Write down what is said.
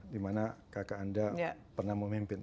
dimana kakak anda pernah memimpin